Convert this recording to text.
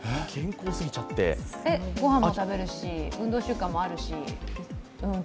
ご飯も食べるし、運動習慣もあるし。